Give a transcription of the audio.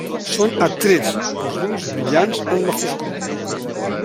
Són atrets pels llums brillants en la foscor.